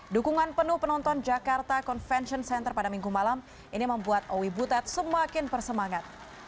dukungan penuh penonton jakarta convention center pada minggu malam ini membuat owi butet semakin bersemangat